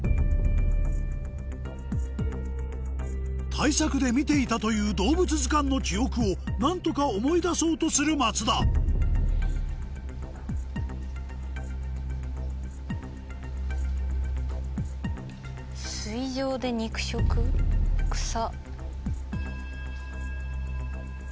対策で見ていたという動物図鑑の記憶を何とか思い出そうとする松田草。